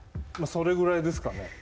まぁ、それぐらいですかね。